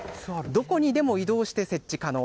どこにでも移動して設置可能。